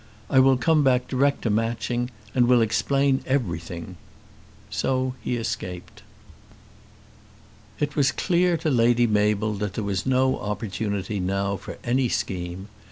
I will come back direct to Matching, and will explain everything." So he escaped. It was clear to Lady Mabel that there was no opportunity now for any scheme.